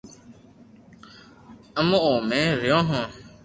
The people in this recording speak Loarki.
امو او مي رھيو ھون